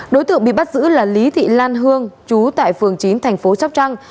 đối tượng bị bắt giữ là lý thị lan hương chú tại phường chín thành phố sóc trăng